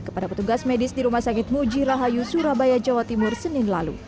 kepada petugas medis di rumah sakit muji rahayu surabaya jawa timur senin lalu